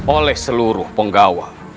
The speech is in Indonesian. oleh seluruh penggawa